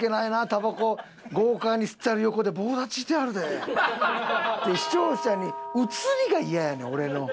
たばこ豪快に吸ってる横で棒立ちしてはるでって視聴者に映りが嫌やねん俺の。